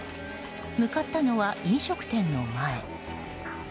向かったのは飲食店の前。